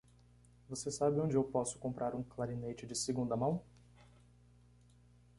Você sabe onde eu posso comprar um clarinete de segunda mão?